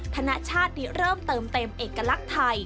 ธนชาติได้เริ่มเติมเต็มเอกลักษณ์ไทย